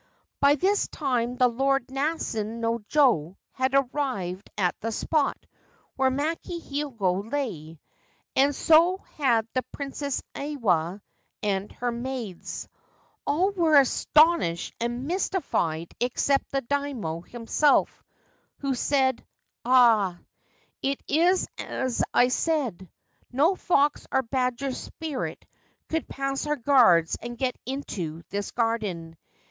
By this time the Lord Naizen no jo had arrived at the spot where Maki Hiogo lay, and so had the Princess Aya 295 Ancient Tales and Folklore of Japan and her maids. All were astounded and mystified except the Daimio himself, who said :' Ah ! it is as I said. No fox or badger spirit could pass our guards and get into this garden.